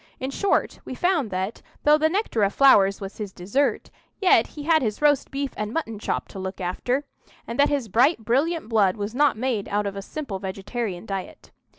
In short, we found that, though the nectar of flowers was his dessert, yet he had his roast beef and mutton chop to look after, and that his bright, brilliant blood was not made out of a simple vegetarian diet.